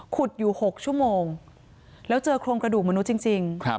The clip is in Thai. ขุดอยู่๖ชั่วโมงแล้วเจอโครงกระดูกมนุษย์จริง